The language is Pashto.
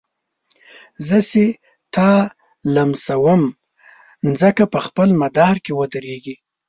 زه چي تا لمسوم مځکه په خپل مدار کي ودريږي